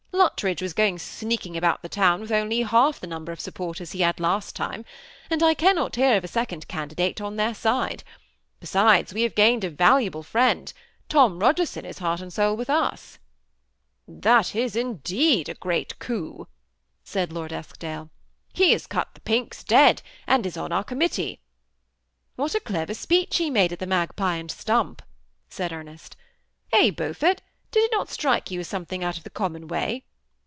" Luttridge was going sneaking be town with only half the number of supporters last time ; and I cannot hear of a second can on their side. Besides, we have gained a B friend : Tom Bogerson is heart and soul at is indeed a great coup," said Lord Eskdale. as cut the Pinks dead, and is on our com lat a clever speech be made at the Magpie and !" said Emeat " Eh, Beaufort, did it not strike something out of the common way